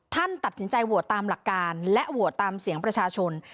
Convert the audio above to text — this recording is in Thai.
ท่านตัดสินใจโหวตตามหลักการและโหวตตามเสียงประชาชน